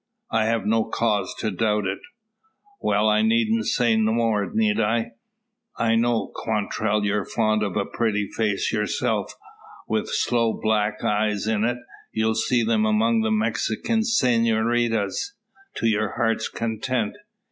"I have no cause to doubt it." "Well, I needn't say more, need I? I know, Quantrell, you're fond of a pretty face yourself, with sloe black eyes in it. You'll see them among the Mexikin saynoritas, to your heart's content.